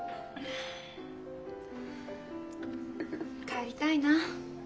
帰りたいな。